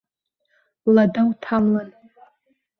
Лада уҭамлан.